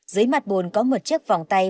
dưới mặt bùn có một chiếc vòng tay